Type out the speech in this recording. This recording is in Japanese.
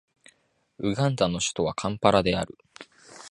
ウガンダの首都はカンパラである